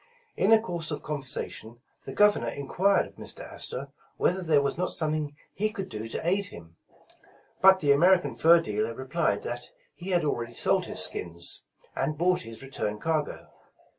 In the course of conversation the Governor enquired of Mr. Astor whether there was not something he could do to aid him, but the American fur dealer replied that he had already sold his skins, and bought his return cargo.